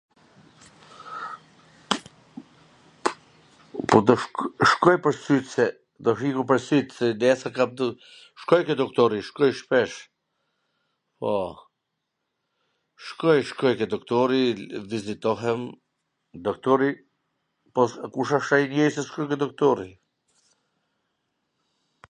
Po do shkoj ... shkoj pwr syt se do hik un pwr syt ... se neswr kam mbyll.. Shkoj ke doktori, shkoj shpesh, po, shkoj shkoj ke doktori, vizitohem, doktori, po kush asht ai dje... kisha shku ke doktori